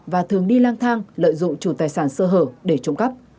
và thường đi lang thang lợi dụng chủ tài sản sơ hở để trộm cắp